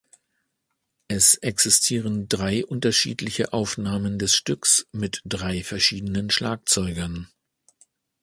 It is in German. Es existieren drei unterschiedliche Aufnahmen des Stücks mit drei verschiedenen Schlagzeugern.